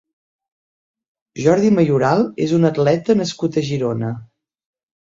Jordi Mayoral és un atleta nascut a Girona.